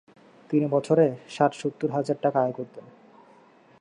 তিনি বছরে ষাট সত্তুর হাজার টাকা আয় করতেন।